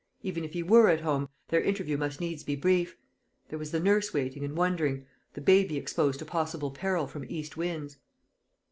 Even if he were at home, their interview must needs be brief: there was the nurse waiting and wondering; the baby exposed to possible peril from east winds.